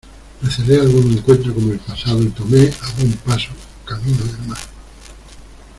recelé algún encuentro como el pasado y tomé a buen paso camino del mar.